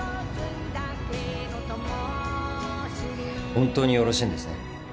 本当によろしいんですね？